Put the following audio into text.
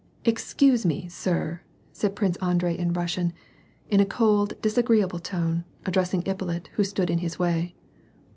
" Excuse me, sir," said Prince Andrei in Russian, in a cold, disagreeable tone, addressing Ippolit who stood in his way.